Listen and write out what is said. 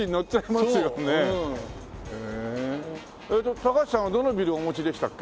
高橋さんはどのビルをお持ちでしたっけ？